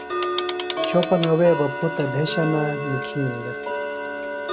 چھوۡپنہ وے بہ پُھتہ بھشَنہ نِکھین دےۡ۔